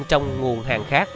trong nguồn hàng khác